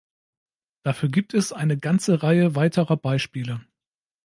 Dafür gibt es eine ganze Reihe weiterer Beispiele.